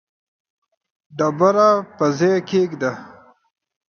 ډبره پر ځای کښېږده.